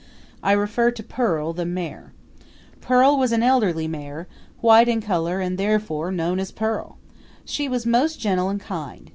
I refer to Pearl, the mare. Pearl was an elderly mare, white in color and therefore known as Pearl. She was most gentle and kind.